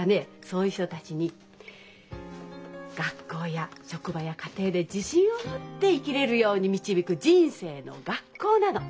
そういう人たちに学校や職場や家庭で自信を持って生きれるように導く人生の学校なの。